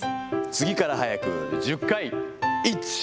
次から速く、１０回。